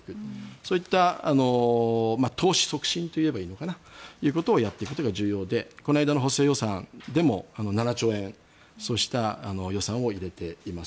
そういった投資促進ということをやっていくということが重要でこの間の補正予算でも７兆円そうした予算を入れています。